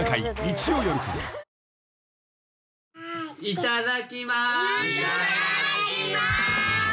いただきます。